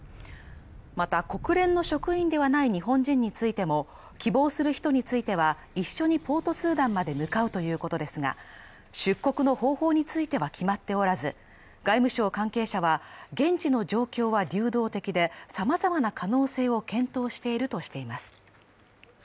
また、国連の職員ではない日本人についても希望する人については一緒にポートスーダンまで向かうということですが、出国の方法については決まっておらず、外務省関係者は現地の状況は流動的でさまざまな可能性を検討しているとしています。